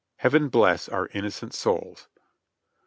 Heaven bless our innocent souls!